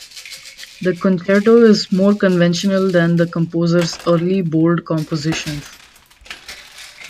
The concerto is more conventional than the composer's early bold compositions.